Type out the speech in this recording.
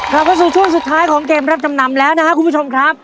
กลับมาสู่ช่วงสุดท้ายของเกมรับจำนำแล้วนะครับคุณผู้ชมครับ